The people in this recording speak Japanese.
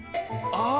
ああ！